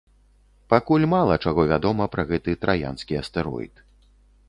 Пакуль мала чаго вядома пра гэты траянскі астэроід.